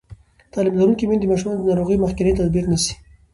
تعلیم لرونکې میندې د ماشومانو د ناروغۍ مخکینی تدبیر نیسي.